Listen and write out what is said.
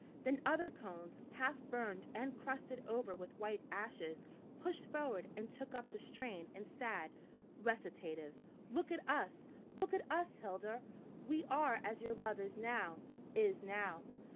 Then other cones, half burned and crusted over with white ashes, pushed forward and took up the strain in sad recitative: "Look at us! look at us, Hilda! We are as your love is now, is now.